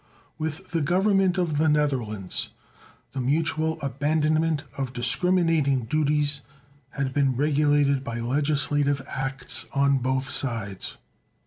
With the Government of the Netherlands the mutual abandonment of discriminating duties had been regulated by legislative acts on both sides.